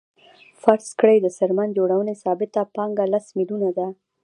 فرض کړئ د څرمن جوړونې ثابته پانګه لس میلیونه ده